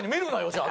じゃあ。